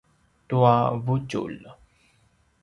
tua vutjulj